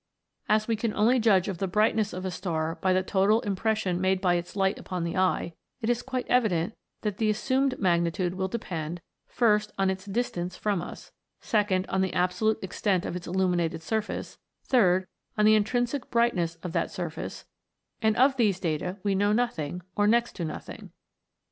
As we can only judge of the brightness of a star by the total impression made by its light upon the eye, it is quite evident that the assumed magnitude will depend, first, on its distance from us ; second, on the absolute extent of its illu minated surface ; third, on the intrinsic brightness of that surface ; and of these data we know nothing, or next to nothing.